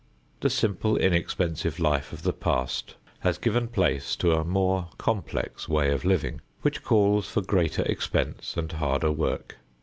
The simple inexpensive life of the past has given place to a more complex way of living, which calls for greater expense and harder work.